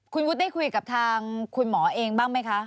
คุณวุฒิได้คุยกับทางคุณหมอเองบ้างไหมคะ